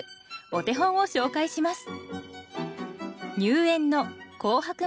お手本を紹介します。